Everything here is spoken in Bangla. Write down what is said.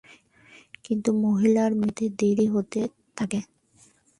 কিন্তু মহিলার মৃত্যু হতে দেরি হতে থাকে।